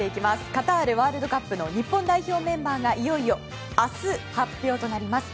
カタールワールドカップの日本代表メンバーがいよいよ明日、発表となります。